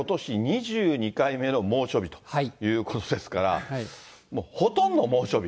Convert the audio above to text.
２２回目の猛暑日ということですから、もうほとんど猛暑日。